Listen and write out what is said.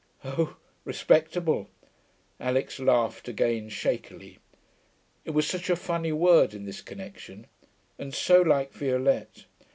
'Oh respectable.' Alix laughed, again, shakily; it was such a funny word in this connection, and so like Violette.